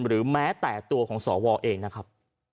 หรือแม้แต่ตัวของสวเองนะครับ